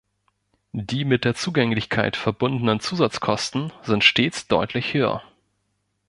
Die mit der Zugänglichkeit verbundenen Zusatzkosten sind stets deutlich höher.